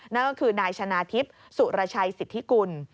นั่นก็คือนายชนะทิพย์สุรชัยสิทธิกุล